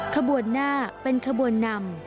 ขบวนหน้าเป็นขบวนนำ